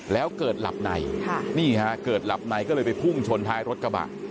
แล้วเกิดหลับในนี่ฮะเกิดหลับในก็เลยไปพุ่งชนท้ายรถกระบะ